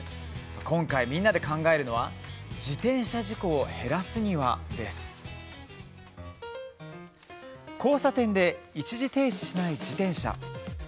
今回、みんなで考えるのは「自転車事故を減らすには」です。交差点で、一時停止しない自転車。